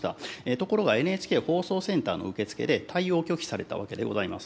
ところが、ＮＨＫ放送センターの受付で対応拒否されたわけでございます。